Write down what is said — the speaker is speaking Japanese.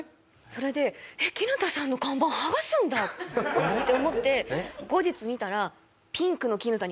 それでキヌタさんの看板剥がすんだって思って後日見たら。